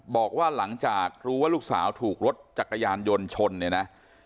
บอกว่าหลังจากรู้ว่าลูกสาวถูกรถจักรยานยนต์ชนเนี่ยนะ